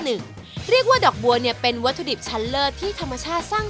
เรียกว่าดอกบัวเนี่ยเป็นวัตถุดิบชั้นเลิศที่ธรรมชาติสร้าง